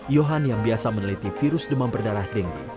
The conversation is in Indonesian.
johan yang biasa meneliti virus demam berdarah dengue